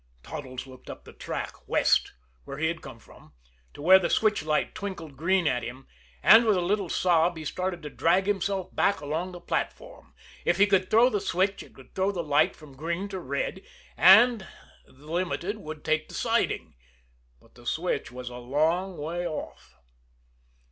Toddles looked up the track west where he had come from to where the switch light twinkled green at him and, with a little sob, he started to drag himself back along the platform. If he could throw the switch, it would throw the light from green to red, and and the Limited would take the siding. But the switch was a long way off.